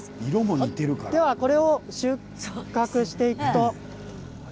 これを収穫していくと。